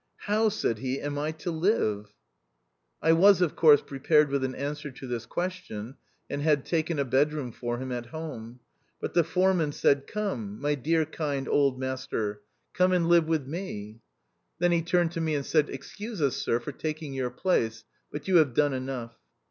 "How," said he, "am I to live?" I was, of course, prepared with an answer to this question, and had taken a bedroom for him at home. But the foreman said, " Come, my dear, kind, old master ; come 180 THE OUTCAST. and live with me." Then he turned to me and said, " Excuse me, sir, for taking your place ; but you have done enough."